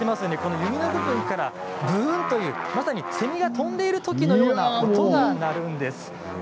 弓の部分からブーンと、まさにセミが飛んでいるときのような音が鳴るんです。